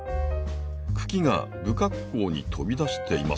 茎が不格好に飛び出していますよね？